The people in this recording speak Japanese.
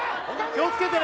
気をつけてね。